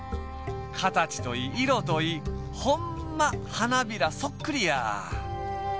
かたちといいいろといいほんまはなびらそっくりや！